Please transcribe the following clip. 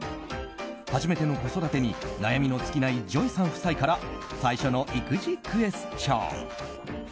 初めての子育てに悩みの尽きないＪＯＹさん夫妻から最初の育児クエスチョン。